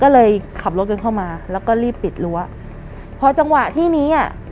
ก็เลยขับรถกันเข้ามาแล้วก็รีบปิดรั้วพอจังหวะที่นี้อ่ะ